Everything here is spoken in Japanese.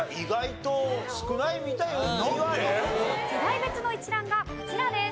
世代別の一覧がこちらです。